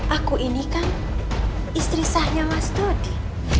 aku ini kan istri sahnya mas todi